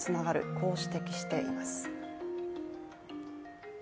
こう指摘しています。